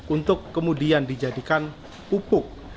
untuk kemudian dijadikan pupuk